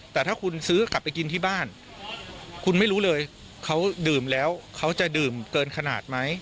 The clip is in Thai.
แต่ถ้าคุณซื้อกลับไปกินที่บ้านคุณไม่รู้เลยเขาดื่มแล้วเขาจะดื่มเกินขนาดไหม